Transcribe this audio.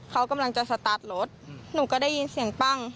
เขากำลังจะสตาร์ทรถหนูก็ได้ยินเสียงปั้ง